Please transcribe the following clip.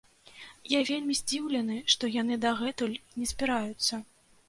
Я вельмі здзіўлены, што яны дагэтуль не збіраюцца.